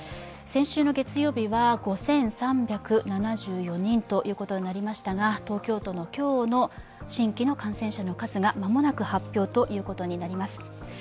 先週の月曜日は５３７４人となりましたが東京都の今日の新規の感染者の数が間もなく発表となります。